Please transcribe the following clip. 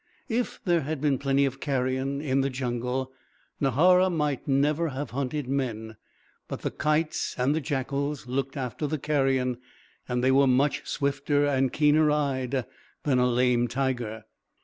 If there had been plenty of carrion in the jungle, Nahara might never have hunted men. But the kites and the jackals looked after the carrion; and they were much swifter and keener eyed than a lame tiger.